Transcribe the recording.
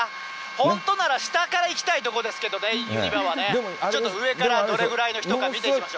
本当なら下から行きたいところですけどね、ユニバはね、ちょっと上からどれくらいの人か見てみましょう。